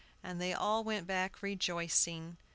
And they all went back rejoicing.